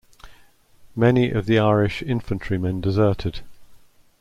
Many of the Irish infantrymen deserted.